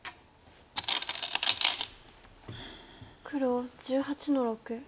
黒１８の六。